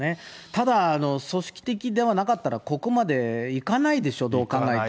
ただ、組織的ではなかったら、ここまでいかないでしょ、どう考えても。